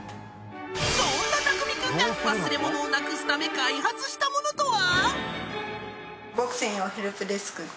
そんな匠くんが忘れ物をなくすため開発したものとは？